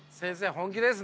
本気ですね。